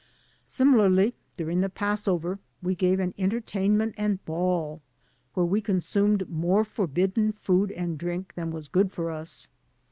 Similarly, during the Passover, we gave an entertain ment and ball, where we consumed more forbidden food and drink than was good for us.